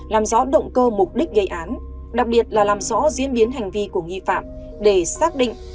làm rõ động cơ mục đích gây án đặc biệt là làm rõ diễn biến hành vi của nghi phạm để xác định